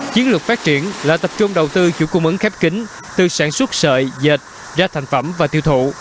chiến lược phát triển là tập trung đầu tư chủ cung ứng khép kính từ sản xuất sợi dệt ra thành phẩm và tiêu thụ